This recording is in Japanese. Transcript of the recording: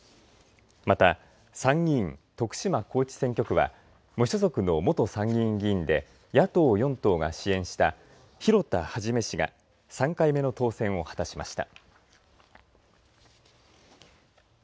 また参議院徳島高知選挙区は無所属の元参議院議員で野党４党が支援した広田一氏が３回目の当選を果たしました。